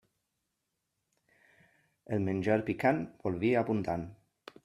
El menjar picant vol vi abundant.